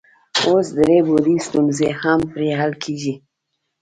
اوس درې بعدي ستونزې هم پرې حل کیږي.